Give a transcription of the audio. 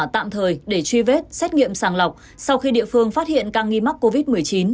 tạm thời để truy vết xét nghiệm sàng lọc sau khi địa phương phát hiện ca nghi mắc covid một mươi chín